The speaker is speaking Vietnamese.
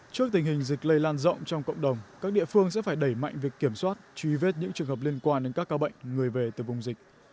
trước tình hình dịch lây lan rộng trong cộng đồng các địa phương sẽ phải đẩy mạnh việc kiểm soát truy vết những trường hợp liên quan đến các ca bệnh người về từ vùng dịch